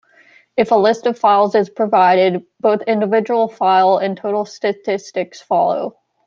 If a list of files is provided, both individual file and total statistics follow.